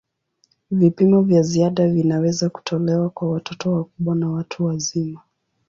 Vipimo vya ziada vinaweza kutolewa kwa watoto wakubwa na watu wazima.